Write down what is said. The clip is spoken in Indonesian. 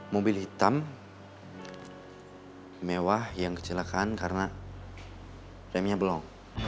mobil hitam mewah yang kecelakaan karena remnya blong